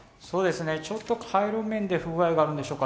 ちょっと回路面で不具合があるんでしょうか？